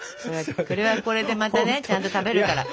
これはこれでまたねちゃんと食べるから。